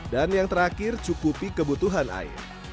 dan yang terakhir cukupi kebutuhan air